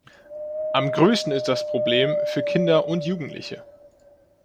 Am größten ist das Problem für Kinder und Jugendliche.